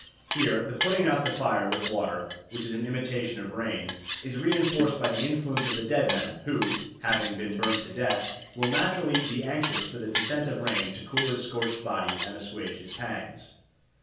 Here the putting out the fire with water, which is an imitation of rain, is reinforced by the influence of the dead man, who, having been burnt to death, will naturally be anxious for the descent of rain to cool his scorched body and assuage his pangs.